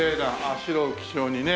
白を基調にね。